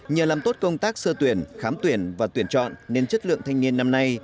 nhờ làm tốt công tác sơ tuyển khám tuyển và tuyển chọn nên chất lượng thanh niên năm nay